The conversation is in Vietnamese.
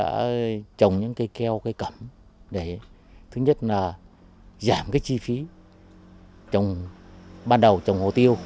chúng tôi đã dùng những cây keo cây cẩm để thứ nhất là giảm cái chi phí trồng ban đầu trồng hồ tiêu